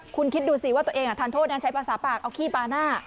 คุณคิดดูสิว่าตัวเองทานโทษนะใช้ภาษาปากเอาขี้ปลาหน้า